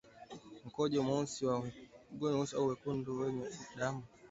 Mkojo mweusi au mwekundu wenye damu